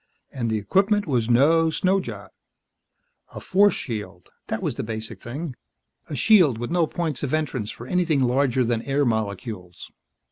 And the equipment was no snow job. A force shield, that was the basic thing. A shield with no points of entrance for anything larger than air molecules.